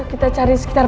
kita cari di sekitar panti